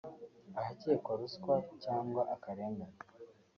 ahakekwa ruswa cyangwa akarengane